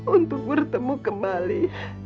untuk bertemu kembali